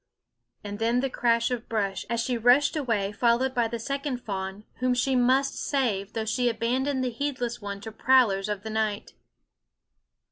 and then the crash of brush as she rushed away followed by the second fawn, whom she must save, though she abandoned the heedless one to prowlers of the night.